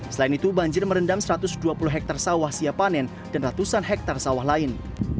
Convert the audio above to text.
selain itu banjir merendam satu ratus dua puluh hektare sawah siap panen dan ratusan hektare sawah lain